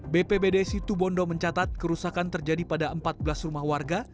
bpbd situbondo mencatat kerusakan terjadi pada empat belas rumah warga